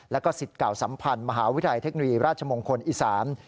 แล้วก็สิทธิ์เก่าสัมพันธ์มหาวิทยาลัยเทคโนโลยีราชมงคลอีสาน